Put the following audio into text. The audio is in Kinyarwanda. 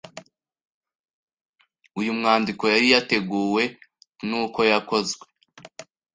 uyu mwandiko yari yateguwe n’uko yakozwe